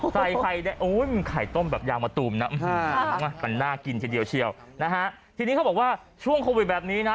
ใส่ไข่ได้โอ้ยมันไข่ต้มแบบยาวมาตูมนะมันน่ากินเฉยทีนี้เขาบอกว่าช่วงโควิดแบบนี้นะ